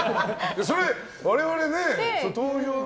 それ、我々にね。